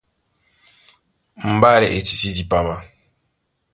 Mbálɛ e tití dipama.